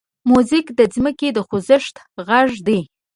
موزیک د ځمکې د خوځښت غږ دی.